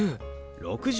「６０」。